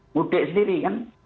mudik sendiri kan